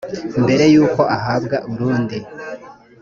mbere y uko ahabwa urundi